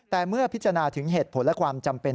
แต่เมื่อพิจารณาถึงเหตุผลและความจำเป็น